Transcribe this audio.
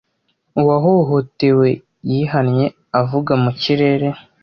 Uwahohotewe yihannye avuga mu kirere